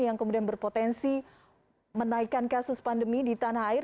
yang kemudian berpotensi menaikkan kasus pandemi di tanah air